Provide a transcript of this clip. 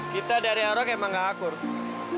kita dari haro memang tidak sesuai